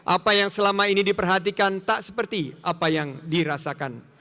apa yang selama ini diperhatikan tak seperti apa yang dirasakan